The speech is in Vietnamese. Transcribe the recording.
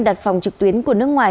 đặt phòng trực tuyến của nước ngoài